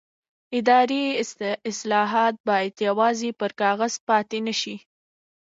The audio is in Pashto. اداري اصلاحات باید یوازې پر کاغذ پاتې نه شي